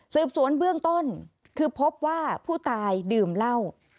สืบสวนเบื้องต้นคือพบว่าผู้ตายดื่มเหล้า